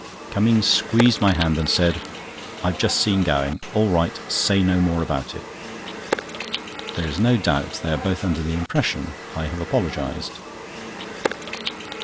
Cummings squeezed my hand, and said: "I've just seen Gowing. All right. Say no more about it." There is no doubt they are both under the impression I have apologised.